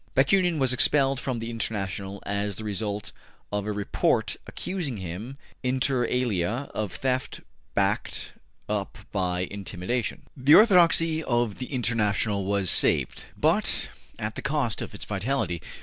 Bakunin was expelled from the International as the result of a report accusing him inter alia of theft backed; up by intimidation. The orthodoxy of the International was saved, but at the cost of its vitality.